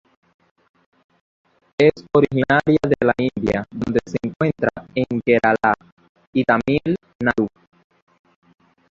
Es originaria de la India donde se encuentra en Kerala y Tamil Nadu.